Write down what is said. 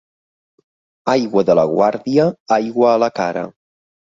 Aigua de la Guàrdia, aigua a la cara.